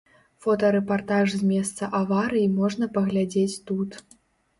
Фотарэпартаж з месца аварыі можна паглядзець тут.